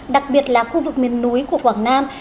đặc biệt là khu vực miền núi của quảng nam